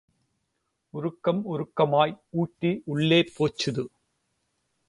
உருக்கம் உருக்கமாய் ஊட்டி உள்ளே போச்சுது.